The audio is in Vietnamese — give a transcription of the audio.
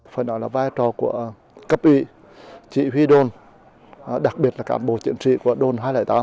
phải nói là vai trò của cấp ủy chỉ huy đồn đặc biệt là cán bộ chiến trị của đồn hai trăm linh tám